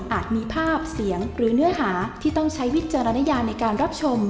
มีภาพเสียงหรือเนื้อหาที่ต้องใช้วิจารณญาในการรับชม